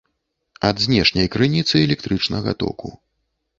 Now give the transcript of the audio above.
Ад знешняй крыніцы электрычнага току